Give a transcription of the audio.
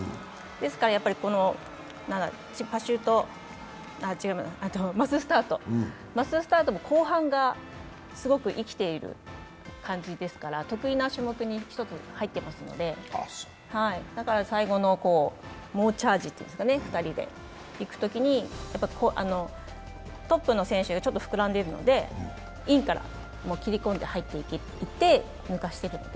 ですから、マススタートも後半がすごく生きている感じですから、得意な種目の一つに入ってますのでだから最後の猛チャージっていうんですかね、２人でいくときにトップの選手が少し膨らんでるのでインから切り込んで入っていって抜かしているので。